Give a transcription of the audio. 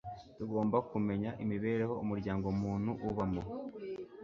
tugomba kumenya imibereho umuryango muntu ubamo